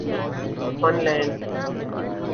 fun land